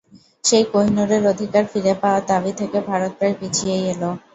সেই কোহিনুরের অধিকার ফিরে পাওয়ার দাবি থেকে ভারত প্রায় পিছিয়েই এল।